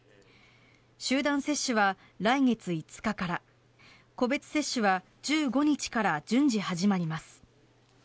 集団接種は来月５日から個別接種は１５日から順次始まります。